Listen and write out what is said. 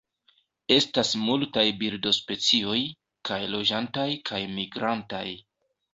Estas multaj birdospecioj, kaj loĝantaj kaj migrantaj.